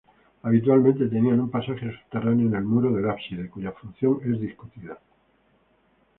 Habitualmente tenían un pasaje subterráneo en el muro del ábside, cuya función es discutida.